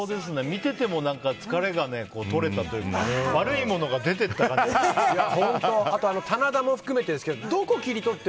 見てても疲れが取れたというか悪いものが出ていった感じが。